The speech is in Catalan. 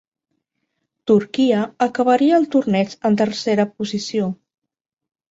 Turquia acabaria el torneig en tercera posició.